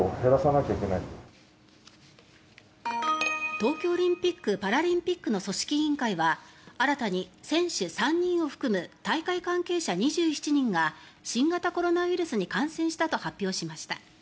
東京オリンピック・パラリンピックの組織委員会は新たに選手３人を含む大会関係者２７人が新型コロナウイルスに感染したと発表しました。